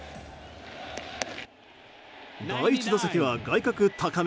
第１打席は外角高め。